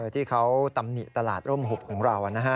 ที่เขาตำหนิตลาดร่มหุบของเรา